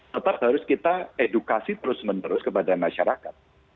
tetap harus kita edukasi terus menerus kepada masyarakat